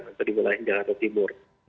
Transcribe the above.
atau di wilayah jalan tertibur